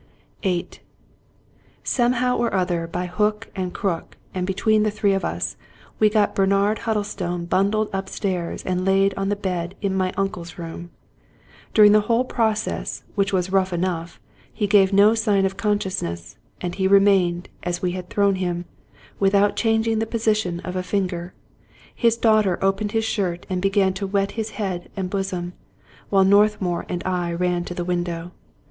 VIII Somehow or other, by hook and crook, and between the three of us, we got Bernard Huddlestone bundled upstairs and laid upon the bed in My Uncle's Room. During the whole process, which was rough enough, he gave no sign of consciousness, and he remained, as we had thrown him, without changing the position of a finger. His daughter opened his shirt and began to wet his head and bosom ; while Northmour and I ran to the window.